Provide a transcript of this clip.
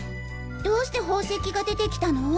どうして宝石が出てきたの？